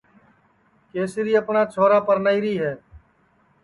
کَسری اپٹؔا چھورا پَرنائیری ہے